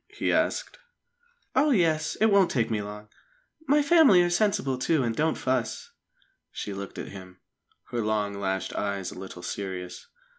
he asked. "Oh, yes! It won't take me long. My family are sensible, too, and don't fuss." She looked at him, her long lashed eyes a little serious.